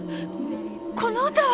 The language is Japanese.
この歌は。